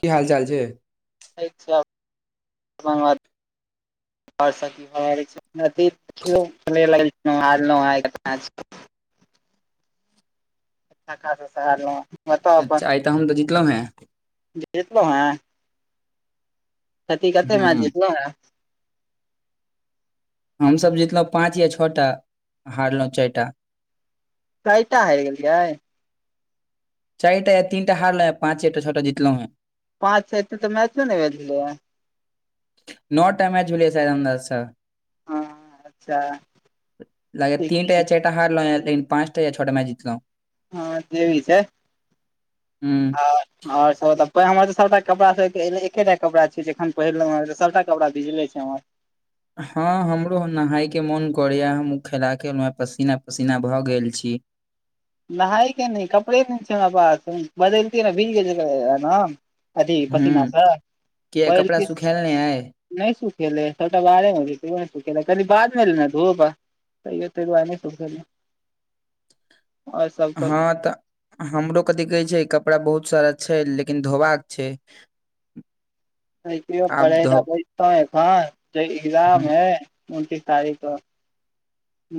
की हाल-चाल छै। ठीक छै, अपन बाजु [unintelligible] अथी [unintelligible] कक्का सब से हारलौ। अच्छा आय ते हम तऽ जितलौ हें। जितलौ हें। अथी कते मैच ह जितलौ हें। हम सब जितलौ पाँच या छटा, हारलौ चाएरटा। चाएरटा हाएर गेलियै। चाएरटा या तिनटा हारलौ, पाँचेटा छटा जितलौ हें। पाँच, छटा तऽ मैचो ने भैल छलैया। नौटा मैच भेलैया शायद अंदाज से। हँ अच्छा लागै ठीक तीन टा छै चैर त हारलौ लेकिन पाँच टा या छोटा मैच जितलौ। हँ जे भी छैय। हूँ अ और सब हमर त सबटा कपड़ा सब एक एकेटा कपड़ा छैियै अखन। पहिरलौ हन, सबटा कपड़ा भीजले छै हमर। हँ हमरो नहाय के मोन करैया, हमो खेला के एना पसीना -पसीना भऽ गेल छी। नहायके नै कपड़े नै छै हमरा पास, बदलतियै ने भीज गेल [unintelligible] न। अथि ह पसिना स, किया कपड़ा [unintelligible] सुखायल नहि अइ नै सुखेलेै सबटा बाहरे मे त सुखेल कनी बाद मे एलेै न धूप। तैयो तैय दुआरे [unintelligible] नैय सुखेलौ हँ तऽ हमरो कथि कहै छै, कपड़ा बहुत सारा छै लेकिन धोबाक छै। आब पढ़े धो बतहु एखन जे ए्जाम है। उनतीस तारिक क,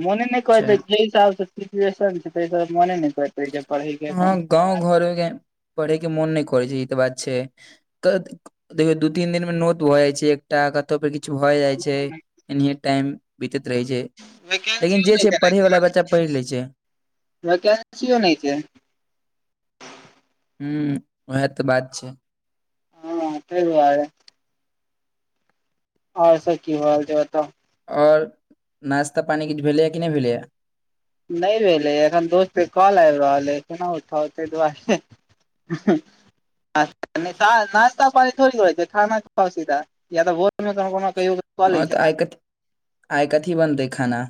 मोने नहि कहै छै जे हिसाबसँ सिच्युएशन छै, तै दुवारे मोने नहि करै। तैं पढ़इ हाँ गाँंव घर [unintelligible] पढ़ेके मोन नहि करै छै ई तऽ बात छै। देखियौ दू तीन दिन मे नोत भऽ जाइ छै एकटा कत् त फेर किछु भए जाइ छै एनी टाइम। दिक्कत रहे छै, वैकेंसियो लेकिन जे नहि छै पढ़े वला बच्चा पढ़ि लै छै। व कंसी य नहि छैै [unintelligible] हूम्म ओहैय तऽ बात छै। हँ तै दुवारे और सब की हाल छै ओतऽ। और नाश्ता पानी किछ भेलैया कि नहि भेलैया? नहि भेलैया, एखन दोस्तके कॉल आबि रहल अइ केना उठाउ ताहि दुआरे अ्ह् नइ त नश्ता पानी थोड़े हो छै खाना खाओ सुधा [unintelligible] [unintelligible] कहियौ हां त आइकथि आइकथी बनतै खाना?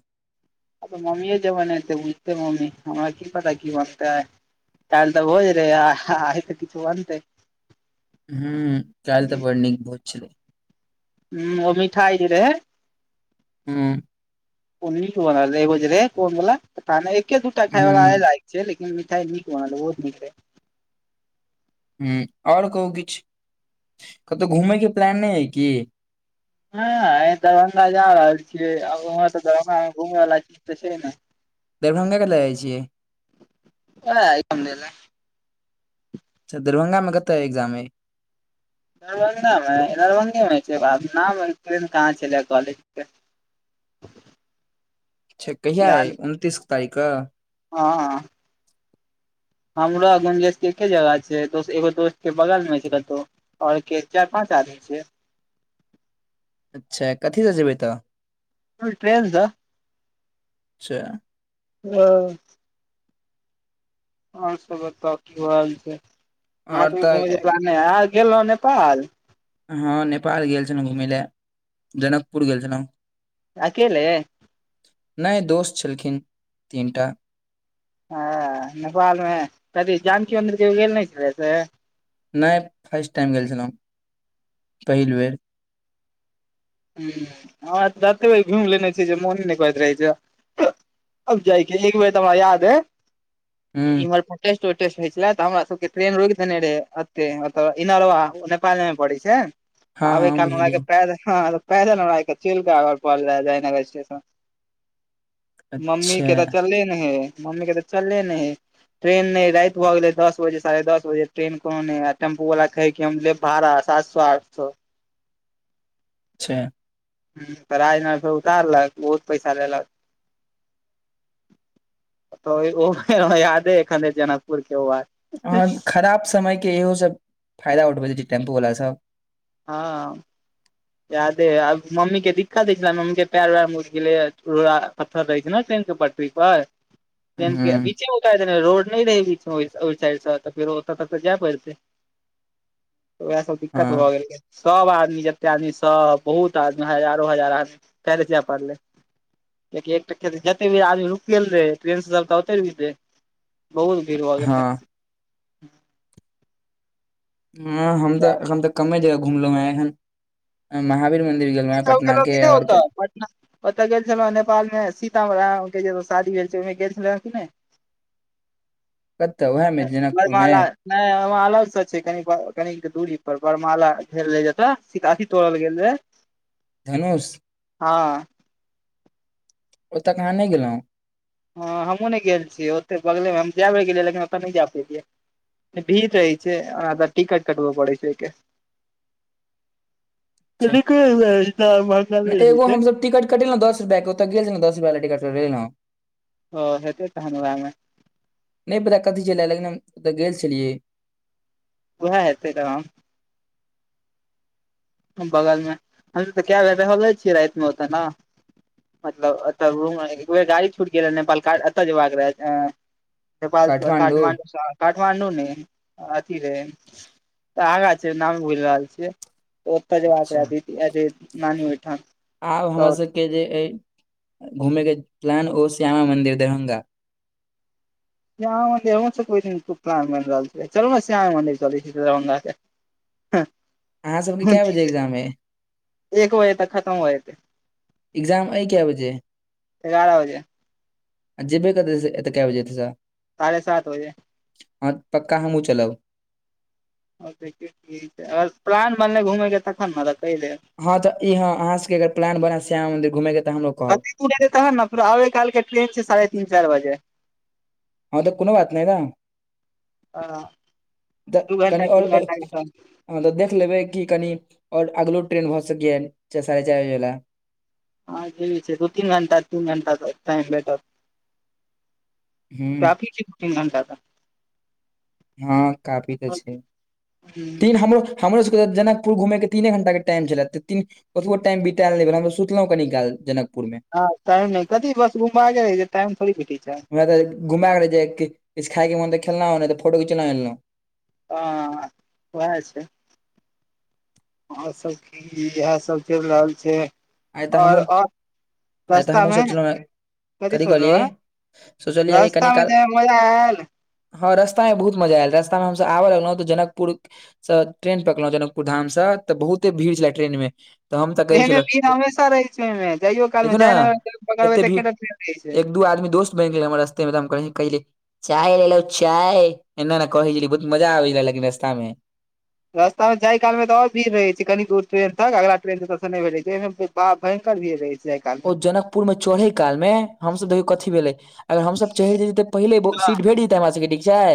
अऽ मम्मीये जे बनेतै से बुझतै मम्मी हमरा की पता की बनतै? काइल्ह तऽ भोज रहै, आज तऽ किछ बनतै। हूम्म काइल्ह तऽ बड़ नीक भोज छलै। हम्म ओ मिठाइ जे रहै? हूम्म उ नीक बनल रहै, एगो जे रहै गोल बला, एके दूटा खाय बला हूँ आइ। से लेकिन मिठाई नीक बनल रहै बहुत नीक रहै। ह और कहू किछु, कतहु घूमय के प्लान नहि अय की? हाँ दरभंगा जा रहल छियै, आब ओना तऽ दरभंगा मे घुमय लायक किछ तऽ छै नै। दरभंगा कथि लए जाइ छियै? [unintelligible] दै लऽ अच्छा दरभंगामे कतऽ ए एग्जाम अइ? दरभंगा मे दरभंगे मे छै, अब नाम कहाँ छले कॉलेज के? अच्छा, कहिआ अइ उनतीस तारीख क? हाँ हमरा आ गुंजेश के एक्के जगह छै दोस एगो दोस्त के बगलमे छै कतौ। और के चारि -पाँच आदमी छियै? अच्छा कथी सँ जेबै तऽ? हॅं ट्रेन सऽ। अच्छा। [inaudible] और सब बताउ की हाल छै, अहाँ आओर सबके तऽ घुमय के प्लान नै अय अहॉं गेल रहौं नेपाल? हँ नेपाल गेल छलौं घुमय लेए जनकपुर गेल छलौंह। त अकेले? नै दोस छलखिन तीन टा। हँ नेपाल मे कथी जानकी मन्दिर कहियो गेल नै छलियै से? नै फर्स्ट टाइम गेल छलहुं पहिल बेर। हूॅं हमरा त तत्ते बेर घुमि लेने छियै जे मोने न करैत रहै छै आब अब जाइके एक बेर त हमरा याद हूँ अइ इमहर टेस्ट पर टेस्ट होइ छले तऽ हमरा सबके ट्रेन रोइक देने रहेए अत्ते एतऽ इनरबा नेपाले मे पड़ै छै। हँ आबै हँ काल में हमरा बुझलियै सके पैदल हमरासके हं पैदल हमरासके चैलकऽ आबऽ परल रहय जयनगर स्टेशन। मम्मी अच्छा के तऽ चलले ने हइ मम्मी के तऽ चलले ने है। ट्रेन नै राति भऽ गेलै दस बजे साढ़े दस बजे ट्रेन कोनो नै रहे टेम्पो बला कहै कि हम लेब भाड़ा सात सौ आठ सौ। अच्छा। हूॅं त राजनगर फेर उतारलक बहुत पैसा लेलक। त ओ हमरा यादे एखन अइ जनकपुर के ओ बात। अह खराब समय के इहो सब फायदा उठबैत रहै छै टेम्पू वला सब। हँऽ। यादे अइ आ मम्मी के दिक्कत होइ छलै मम्मी के पेएर वेएर मुरि गेलैये रोड़ा- पत्थर रहै छै ने ट्रेन सब पर। ओइ पर ट्रेन के हूँ बीचे ओ उतारि देने रोड नै रहै बीच में ओहि- ओहि साइड सँ तऽ फेर ओतऽ तक तऽ जेए पैड़तै। वेएह सब दिक्कत भऽ हँ गेल ये सब आदमी जत ते आदमी सब बहुत आदमी हजारो हजार आदमी पएरे से जेए पड़लै। कियेकि एकटा जते भी आदमी रुकगेल रहै ट्रेन स सबटा ओतै रुकि जेतै। बहुत भीड़ भऽ गेल हँ रह। हॅं हम त एखन त कम्मे जगह घुमलौं हें एहेन, आहम महावीर मंदिर गेल गेलौं कि नै ओतऽ पट ओतऽ गेल छलौंए नेपाल मे सीता राम के जे शादी भेल छै ओइमे गेल छलौंए कि नै? कतऽ उएह मे जनकपुर मे बड़माला नै ओ उहां अलग स छै कनिक व कनिक दूरी पर बड़माला भेल रहै जतह सीता अथि तोड़ल गेल रहै। धनुष? हँ। ओतऽ क अहाँ नै गेलौं? हँ हमहुँ नै गेल छियै ओत्तै बगले मे हम जेए बेर गेलियै लेकिन ओतऽ नै जा पेलियै। भीड़ जे रहै छै आ तऽ टिकट कटबऽ पड़ै छै ओइके। [unintelligible] छै पल कोइ भी रहै छै। कटेलौं दस रुपया क ओतऽ गेल छलौं दस रुपया बला टिकट कटेलौं। हॅं हेतै तहैन वेएह मे। नै पता कथी छले लेकिन हम ओतऽ गेल छलियै। उहै हेतय तहन बगल मे हम तै कै बेर रहलौ छीयै राएत मे ओता नै। मतलब एता रूम में एक बेर गाड़ी छूट गेल रहय नेपाल का एतय जैबाक रहाए नेपाल से काठमाण्डू से काठमांडू ने अथी रहय त आगा छै नाम भुल रहल छियै। ओतय जैबाक अच्छा रहै दीदी अथी नानी ओयठा आब हमर सबके जे ऐ घूमे के प्लैन ओ श्यामा मंदिर दरभंगा श्यामा मन्दिर हमरो सबके ओय दिन खुब प्लान बन रहल छै, चलु नै श्यामा मन्दिर चलय छी दरभंगा के। अहाँ सबके कए बजे एग्जाम अइ एक बजे तक खत्म हो जते। इग्जाम ऐ कै बजे? एगारा बजे आ जेबे कतय से एतय कै बजे एता से सारहे सात बजे हां पक्का हम्हूँ चलब। आब देखियौ की होय छै अगर प्लान बनलै घुमय के तखन नै त कह दैब। हां तऽ इ हां अहाँ सबके अगर प्लान बनय श्यामा मन्दिर घुमय के तऽ हमरो कहब [unintelligible] दूर हतै तहन नै फेर आबै काल के ट्रेन छै साढ़े तीन-चाएर बजे। हां तै कूनो बात नै न दू तऽ घंटा कनि और तीन अ घंटा के टाइम हां तै देख लेबय की कनी और अगलो ट्रेन भऽ सकय यै साढ़े चाएर बजे बला हां जे भी छै, दु-तीन घंटा, तीन घंटा तक टाइम भेटत। हुँ, काफी छै दु-तीन घंटा तै। हां काफी तऽ छै, तीन हमरो हमरो सके जनकपुर घुमय के तीने घंटा के टाइम छलय त तीन ओतबो टाइम बितैल नै भेलय हम तै सुतलौ कनि काल जनकपुर मे हां टाइम नै कथी बस रूम [unintelligible] रहै छै टाइम थौड़ी भेटय छै। हमरा तै घुमय के रहय छै किछ खाय के मोन त खेलौ नै तै फोटो घीचलो एलौं। हां वहै छै। अहां सब की यैह सब चैल रहल छै। आय तऽ और हम्हु, और आय तऽ रास्ता हम्हु मे सोचलौ हें कथी सोचलहु कहलिए हें सोचलियै कि कनि रास्ता मे काल जाय मे मजा आयल हां रास्ता मे बहुत मजा ऐल रास्ता मे हम सब आबय लागलौ तऽ जनकपुर से ट्रेन पकड़लौ जनकपुर धाम से तऽ बहुते भीड़ छलै ट्रेन मे तऽ हम तऽ कहै ट्रेन मे छलौ भीड़ हमेशा रहय छै ओय मे जाइयो काल मे जयनगर जाकै पकड़बै एते त भीड़ एकेटा ट्रेन रहय छै। एक दू आदमी दोस्त बैन गेलय हमर रस्तमे त हम कहीं कहिलिए चाय लै लो चाय, ऐना-ऐना कहय छलिए बहुत मजा आवे रहय लेकिन रस्तामे रस्ता मे जाय काल मे तऽ और भीड़ रहय छै कनी दूर ट्रेन तक अगला ट्रेन [unintelligible] नै भेल रहय छै ओय मे त बड़ा भयंकर भीड़ रहय छै। जाय काल ओ मे जनकपुर में चढ़े काल मे हम सब देखियौ कथी भेलय। अगर हम सब चहैर जेथिए तऽ पहिले बहुत सीट भेट जेतय हमरा सके ठीक छै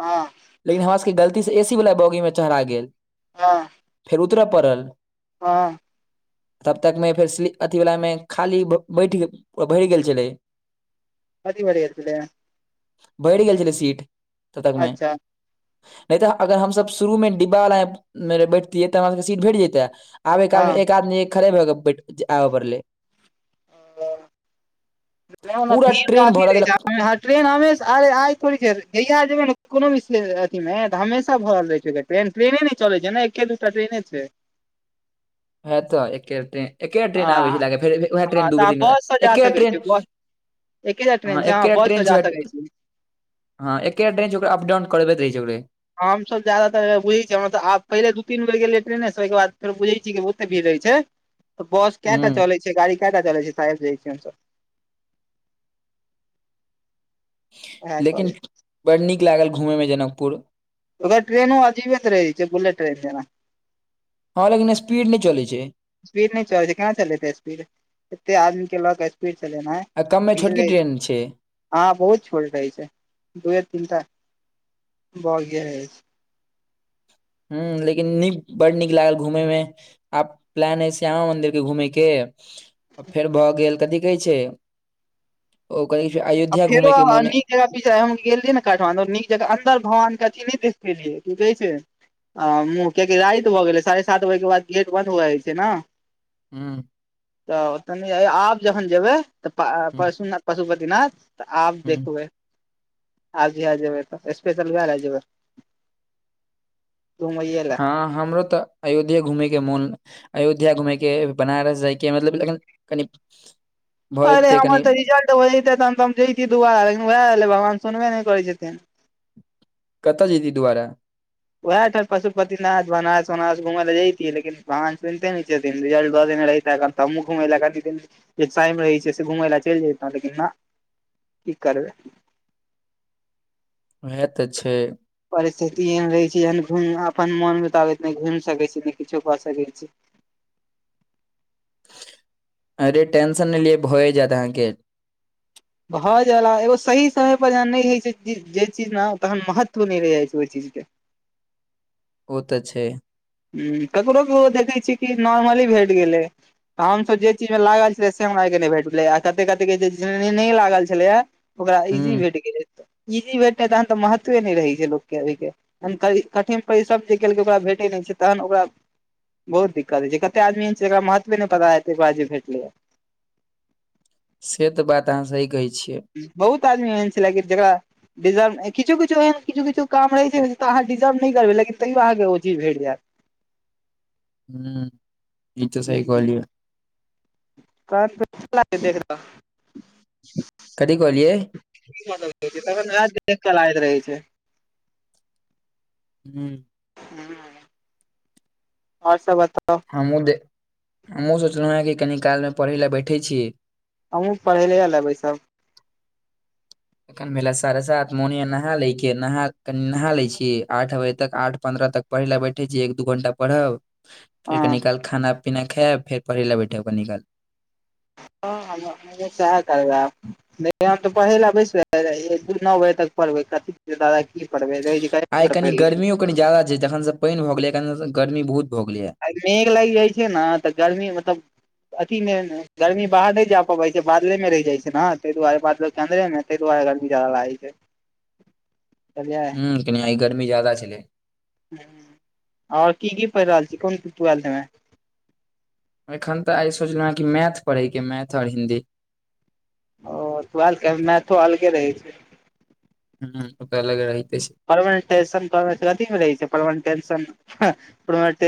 हां। लेकिन हमरा सबके गलती से ए सी बला बॉगी मे चहरा गेल। हां। उतरै पड़ल। हां। तब तक मे फेर स्लीप अथी बला मे खाली बैठ भैर गेल छेलै। अधि बरे गेल छेलै। भैर गेल छेल्लै सीट तब तक मे अच्छा नै तऽ अगर हम सब शुरू मे डिब्बा बला [unintelligible] बैठतियै तऽ हमरा सबके सीट भेट जेैतेए। आबेै काल मे एक आदमी खड़े भऽ के बैठ जे आबऽ पड़लेै। नै ओना पूरा भीड़ ट्रेन कफी भरा रहै छै देलक [unintelligible] ट्रेन हमेसा आय-आय थोड़ी जहिय जेबै ने कोनो भी से अथी मे तऽ हमेशा भरल रहै छै [unintelligible] ट्रेन ट्रेने नै चलै छै न एके दूटा ट्रेने छै। हए तऽ एके ट्रेन एके आ ट्रेन आबै छै ला कऽ फेर उएह हँ ट्रेन दू तऽ अहाँ बेर तीन बस से बेर जा एके सकै छी ट्रेन- बस एकेटा ट्रेन छै हँ एके बस ट्रेन जा छै सकै छी। हँ एकेटा ट्रेन ओकरा अप डाउन करबैत रहै छै ओकरे। हम सब जादातर बुझेैछी हँ तऽ आब पहिले दू, तीन बेर गेलै ट्रेने सँ ओय के बाद फेर बुझे छियै कि बहुते भीड़ रहेै छै। तऽ बस हूँ केएटा चलै छै गाड़ी केएटा चलै छै सब जाय छियै हमसब। ओएह लेकिन करै छी। बड़ नीक लागल घुमेैय मे जनकपुर। ओकर ट्रेनो ओ अजीबेत रहै छै बुलेट ट्रेन जेना। हँ लेकिन स्पीड नै चलै छै। स्पीड नै चलै छै केना चलतै स्पीड एते आदमी के ले के स्पीड चलेनैय। आ कममे छोटकी ट्रेन छै। हँ बहुत छोट रहै छै दूए तीनटा बोगीये रहै छै। हूँ लेकिन नीक बड नीक लागल घूमेैय मे। आब प्लेन है श्यामा मंन्दिर के घूमैय के फेर भऽ गेल कथि कहै छै। ओकरी फेर अयो- आ फेरो आहाँ निक- [unintelligible] पीछा हम गेलियै ने काठमांडूर नीक जंका अंन्दर भगवान के अथि नै देखपेलियै किकहैछै। आ मुँह के कि रैत भऽ गेलै साढ़े सात बजे के बाद गेट बंन्द होए जाय छै नऽ। हूँ। तऽ कनि आय आब जखन जेबै तऽ पा अ हूँ पशु नाथ पशुपति नाथ। तऽ आब हूँ देखबै आब जहिया जेबै तऽ स्पेशल उहे ले जेबै। घुमैये लए हँ हमरो तऽ। अयोध्यो घूमैय के मोन अयोध्या घूमैय के बनारस जायके मतलब एखन कनि- भय अरे जेतै हमर कनि तऽ रिजल्ट होइतै तऽ तहन तँ जइतियै दुबारा लेकिन वहे भेलै भगवान सुनबे नै करै छथिन। कतऽ जेैतही दुबारा? वेएह तऽ पशुपति नाथ बनारस उनारस घुमै लय जइतियै लेकिन भगवान सुनिते नै छथिन रिज्लट दऽ देने रहिते कम- तऽ हमहूँ घुमय लय कथी लेल जे शहर मे रहै छैय से घुमय लय चैल जैतौ लेकिन नऽ। की करबै। उहे तऽ छैय। परिस्थिति एहन रहै छै जेहन घुइम अपन मोन मुताबिक नै घुइम सकै छी नै किछो कऽ सकै छी। अरे टेंशन नै लिय भऽए जेएत आहाँके। भऽ जाला एगो सही समय पर जहन नै होय छैय जे जे चीज ने तहन महत्व नै रैह जाय छैय ओय चीज के। ओतऽ छैय। हूँ ककरो ककरो देखै छियै कि नॉर्मली भेट गेलै। आ हम सोचै छी जे लागल छेलै से हमरा और के नै भेटलै आ कते कते के जे नहियो लागल छेलै या ओकरा इजी हूं भेट गेलै इजी भेटतैय तहन तऽ महत्वे नै रहै छैय लोक के अइ के। हम तऽ ई कठिन परिश्रम जे केलकै ओकरा भेटैय नै छैय। तहन ओकरा बहुत दिक्कत होय छैय, कते आदमी छैय एकरा महत्वे नहि पता हेतै तैय के बाद जे भेटलैये। से तऽ बात अहाँ सही कहै छियै। बहुत आदमी एहन छेले कि जकरा डिजर्व किछो- किछो एहन किछो - किछो काम रहै छैय, तऽ अहाँ डिजर्व नै करबै लेकिन तैइयो अहाँके ओ चीज भेट जेत। [inaudible] हुँ इ तऽ सही हूँ हूँ कहलियै। [unintelligible] कथी कहलियै? की सब देलकै तहन राज के चेक कराबैत रहै छैय। हू। [unintelligible] और सब बताव? हमहुँ दे हमहुँ सोचलउहे कि कनी कालमे परहै ले बैठय छी। हमहूँ पढ़ैये ले बैसब। एखन भेले साढ़े सात मोन होइये नहा लैके, नहा लै छी। आठ बजे तक आठ पन्द्रह तक पढ़य ले बैठय छी, एक दू घंटा परहब। फेर हँ कनी काल खाना पीना खेब फेर पढ़य ले बैठब कनि काल। ह हम हमहूँ सैह करबैय आब। नै हम तऽ पढ़य ले बैस र रहियै न बजे तक। परबै कथी के दादा की पढ़बै। रहै छै कही आय पर कनी पढ़ि लै छी। गर्मियो कनी ज्यादा छैय। जखन स पैन भऽ गेलै कन गर्मी बहुत भऽ गेलैये। आय मेघ लैग जाय छैय न, तऽ गर्मी मतब अथी मेन गर्मी बाहर नै जा पबै छैय, बादले मे रैह जाय छैय न, तै दुआरे बादलो के अन्दरे मे। तै दुआरे गर्मी ज्यादा लागै छैय। बुझलिए ह कनि आइ गर्मी जादा छलै। और की की पैरह रहल छी कोन ट्वेल्थ मे। एखन तऽ आय सोचलउहे कि मैथ परहैय के मैथ और हिन्दी। ओ ट्वेल्थ के मैथो अलगे रहै छैय। हू ओ त अलग रहिते छैय। परमेंटेशन पढ़बै त कथी मे रहै छैय, परमेटेंशन, प्रमेंट